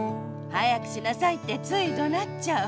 「早くしなさい！」ってついどなっちゃう。